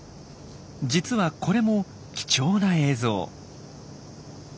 実はこれも貴重な映像。